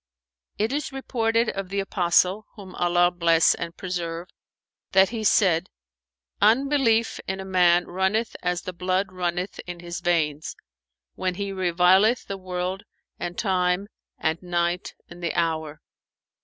"It is reported of the Apostle (whom Allah bless and preserve!) that he said, 'Unbelief in a man runneth as the blood runneth in his veins, when he revileth the world and Time and night and the Hour.'